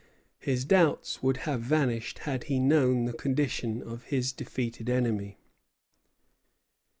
His doubts would have vanished had he known the condition of his defeated enemy.